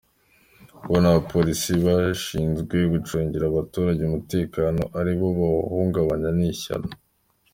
Kubona abapolisi bashinzwe gucungira abaturage umutekano aribo bawuhungabana ni ishyano.